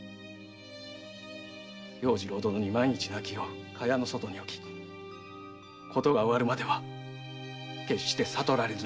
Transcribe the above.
要次郎殿に万一なきよう蚊帳の外に置きことが終わるまでは決して悟られぬようにと。